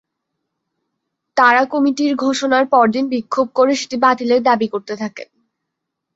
তাঁরা কমিটি ঘোষণার পরদিন বিক্ষোভ করে সেটি বাতিলের দাবি করতে থাকেন।